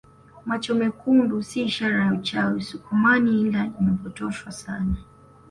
Macho mekundi si ishara ya uchawi usukumani ila imepotoshwa sana